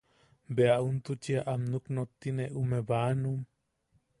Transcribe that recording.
Bea juntuchia am nuknottine ume baʼanum.